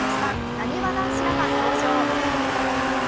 なにわ男子らが登場。